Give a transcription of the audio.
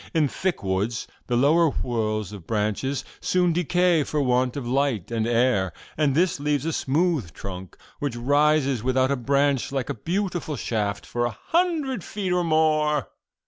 In thick woods the lower whorls of branches soon decay for want of light and air, and this leaves a smooth trunk, which rises without a branch, like a beautiful shaft, for a hundred feet or more.